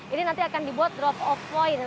ini nanti akan dibuat drop of point